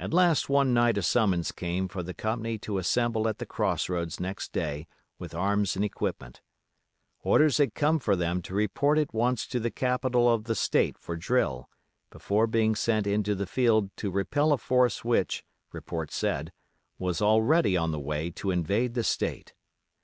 At last one night a summons came for the company to assemble at the Cross roads next day with arms and equipment. Orders had come for them to report at once at the capital of the State for drill, before being sent into the field to repel a force which, report said, was already on the way to invade the State.